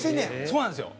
そうなんですよ。